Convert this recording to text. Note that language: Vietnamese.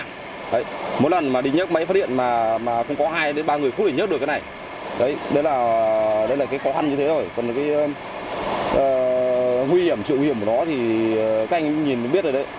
còn cái nguy hiểm sự nguy hiểm của nó thì các anh nhìn mới biết rồi đấy